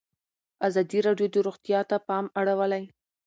ازادي راډیو د روغتیا ته پام اړولی.